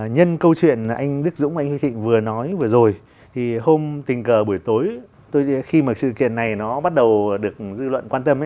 nhân câu chuyện anh đức dũng anh huy thịnh vừa nói vừa rồi thì hôm tình cờ buổi tối khi mà sự kiện này nó bắt đầu được dư luận quan tâm